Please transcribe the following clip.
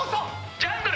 ジャングル